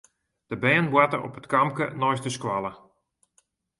De bern boarten op it kampke neist de skoalle.